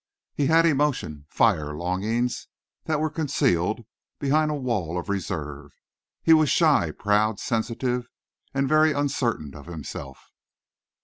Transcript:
He had emotion, fire, longings, that were concealed behind a wall of reserve. He was shy, proud, sensitive, and very uncertain of himself.